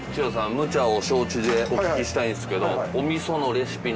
無茶を承知でお聞きしたいんですけど。